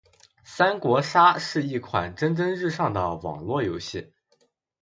三国杀是一款蒸蒸日上的网络游戏。